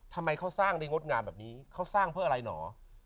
ทำไมเขาสร้างได้งดงามแบบนี้เขาสร้างเพื่ออะไรเหรอ